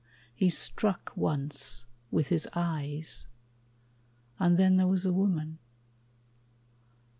He struck once with his eyes, And then there was a woman.